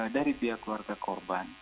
dari pihak keluarga korban